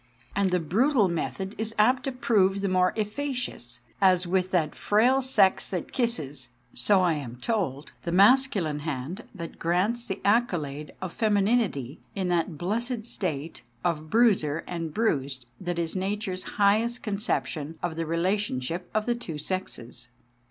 And the brutal method is apt to prove the more efficacious, as with that frail sex that kisses, so I am told, the masculine hand that grants the accolade of femininity in that blessed state of bruiser and bruised that is Nature's highest conception of the relationship of the two sexes.